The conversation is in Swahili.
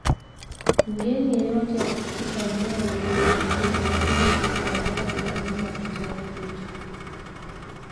Mgeni yeyote akifika eneo la ziwa Tanganyika lazima atastahajabu aina ya kitoweo hicho